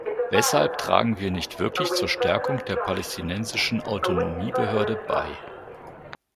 Weshalb tragen wir nicht wirklich zur Stärkung der Palästinensischen Autonomiebehörde bei?